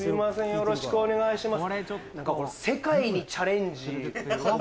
よろしくお願いします